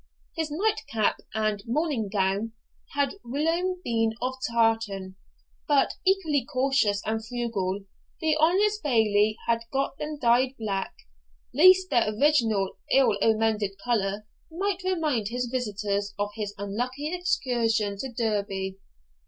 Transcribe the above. His night cap and morning gown, had whilome been of tartan, but, equally cautious and frugal, the honest Bailie had got them dyed black, lest their original ill omened colour might remind his visitors of his unlucky excursion to Derby.